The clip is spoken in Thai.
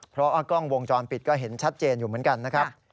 เพราะว่ากล้องวงจรปิดก็เห็นชัดเจนอยู่เหมือนกันนะครับ